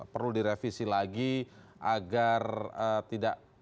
perlu direvisi lagi agar tidak